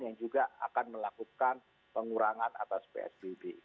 yang juga akan melakukan pengurangan atas psbb